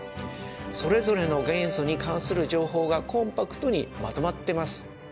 それぞれの元素に関する情報がコンパクトにまとまってます。